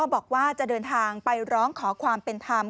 บอกว่าจะเดินทางไปร้องขอความเป็นธรรม